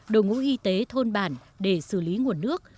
đồ ngũ y tế thôn bản để xử lý nguồn nước